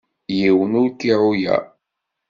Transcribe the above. Yiwen ur k-iεuyer.